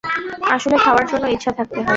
আসলে, খাওয়ার জন্য ইচ্ছা থাকতে হয়।